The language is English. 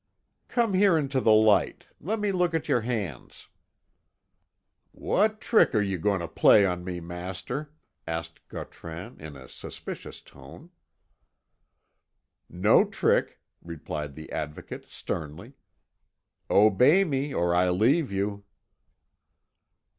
"Come here into the light. Let me look at your hands." "What trick are you going to play me, master?" asked Gautran, in a suspicious tone. "No trick," replied the Advocate sternly. "Obey me, or I leave you."